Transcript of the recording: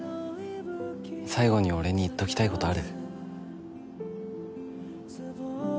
最後に俺に言っときたいことある？